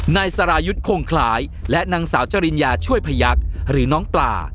นายสรายุทธ์คงคล้ายและนางสาวจริญญาช่วยพยักษ์หรือน้องปลา